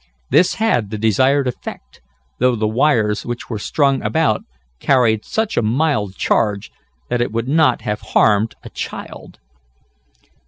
This had the desired effect, though the wires which were strung about carried such a mild charge that it would not have harmed a child.